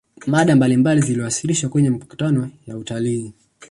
mada mbalimbali ziliwasilishwa kwenye mikutano ya utalii